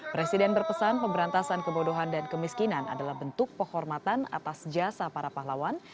presiden berpesan pemberantasan kebodohan dan kemiskinan adalah bentuk penghormatan atas jasa para pahlawan